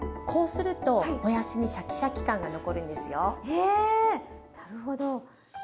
へえなるほど。